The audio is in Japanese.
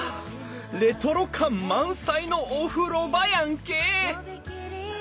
レトロ感満載のお風呂場やんけ！